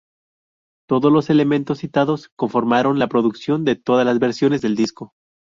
Todos los elementos citados, conformaron la producción de todas las versiones del disco.